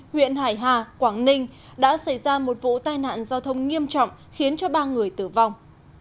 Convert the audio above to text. huyện hải hà quảng ninh đã xảy ra một vụ tai nạn giao thông nghiêm trọng khiến cho ba người tử vong